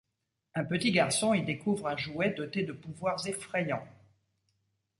Un petit garçon y découvre un jouet doté de pouvoirs effrayants.